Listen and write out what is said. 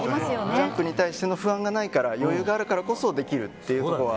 ジャンプに対しての不安がないから余裕があるからこそできるというところは。